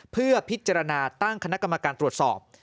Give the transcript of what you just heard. เพื่อพิจารณาตั้งคณะกรรมการตรวจสอบ